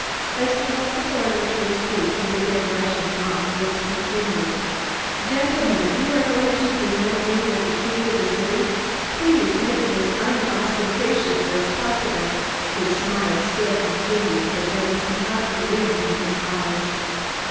As we helped the coroner to his feet and began brushing him off Woods continued: "Gentlemen, if you are going to present me with the key to the city, please make it as unostentatious as possible." His smile still continued, but there was an odd glint in his eyes.